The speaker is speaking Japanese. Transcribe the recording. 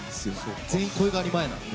全員、声変わり前なので。